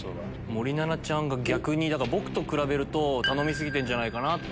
森七菜ちゃんが僕と比べると頼み過ぎてんじゃないかなって。